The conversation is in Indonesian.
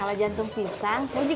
kalau jantung pisang suka masak nggak